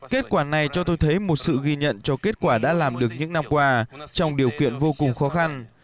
kết quả này cho tôi thấy một sự ghi nhận cho kết quả đã làm được những năm qua trong điều kiện vô cùng khó khăn